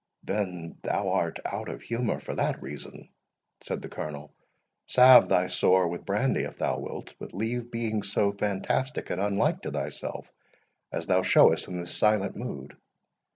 "Then thou art out of humour for that reason," said the Colonel; "salve thy sore with brandy, if thou wilt, but leave being so fantastic and unlike to thyself, as thou showest in this silent mood."